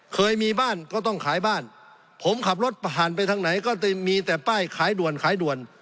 เคยมีบ้านก็ต้องขายบ้านผมขับรถผ่านไปทางไหนก็จะมีแต่ป้ายขายด่วนขายด่วน